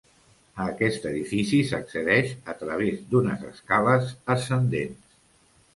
A aquest edifici s'accedeix a través d'unes escales ascendents.